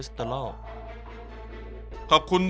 ซุปไก่เมื่อผ่านการต้มก็จะเข้มขึ้น